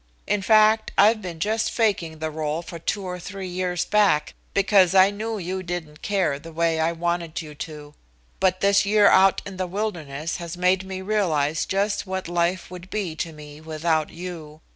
In fact, I've been just faking the role for two or three years back, because I knew you didn't care the way I wanted you to. But this year out in the wilderness has made me realize just what life would be to me without you.